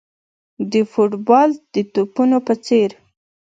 د فوټبال د توپونو په څېر.